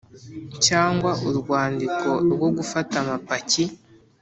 cyangwa urwandiko rwo gufata amapaki